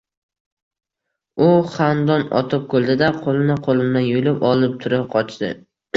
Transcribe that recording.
U xandon otib kuldi-da, qo‘lini qo‘limdan yulib olib tura qochdi.